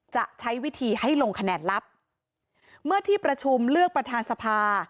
จะใช้วิธีให้ลงคะแนนลับเมื่อที่ประชุมเลือกประธานสภา